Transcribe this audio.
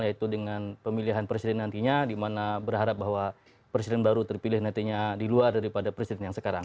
yaitu dengan pemilihan presiden nantinya di mana berharap bahwa presiden baru terpilih nantinya di luar daripada presiden yang sekarang